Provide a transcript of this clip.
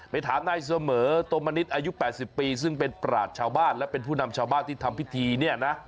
ถามนายเสมอตมณิษฐ์อายุ๘๐ปีซึ่งเป็นปราศชาวบ้านและเป็นผู้นำชาวบ้านที่ทำพิธีเนี่ยนะ